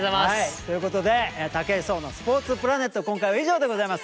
ということで「武井壮のスポーツプラネット」今回は以上でございます。